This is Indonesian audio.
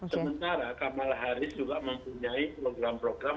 sementara kamala harris juga mempunyai program program